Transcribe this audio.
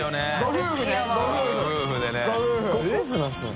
金城）ご夫婦なんですね。